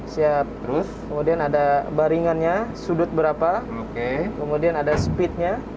kemudian ada baringannya sudut berapa kemudian ada speednya